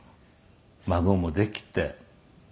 「孫もできてねえ」